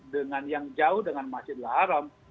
dengan yang jauh dengan masjid al haram